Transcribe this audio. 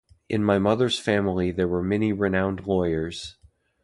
In my mother's family there were many renowned lawyers.